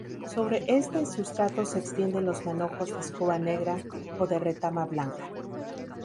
Sobre este sustrato se extienden los manojos de escoba negra o de retama blanca.